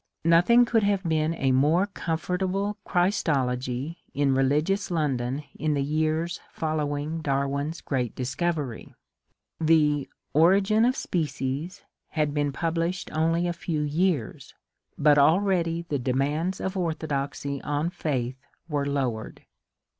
Nothing could have been a more comfortable Christology in religious London in the years following Darwin's great discovery. The ^^ Origin of Species " had been published only a few years, but already the demands of orthodoxy on faith were lowered.